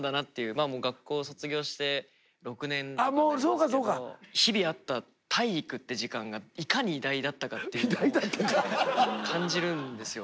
まあもう学校卒業して６年とかになりますけど日々あった体育って時間がいかに偉大だったかっていうのを感じるんですよ